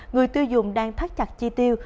người tiêu dùng đang thắt chặt chi tiêu